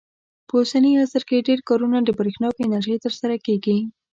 په اوسني عصر کې ډېر کارونه د برېښنا په انرژۍ ترسره کېږي.